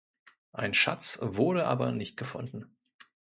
Ein Schatz wurde aber nicht gefunden.